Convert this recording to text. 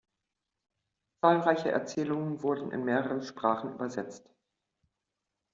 Zahlreiche Erzählungen wurden in mehrere Sprachen übersetzt.